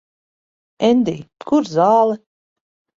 Endij, kur zāle?